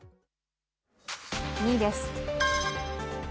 ２位です。